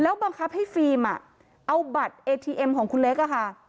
บังคับให้ฟิล์มเอาบัตรเอทีเอ็มของคุณเล็กอะค่ะ